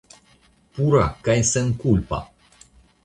Pura kaj senkulpa!